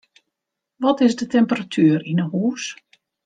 Wat is de temperatuer yn 'e hûs?